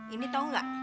ini tau gak